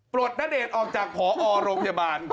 รถณเดชน์ออกจากผอโรงพยาบาล